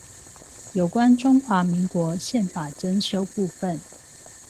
有關中華民國憲法增修部分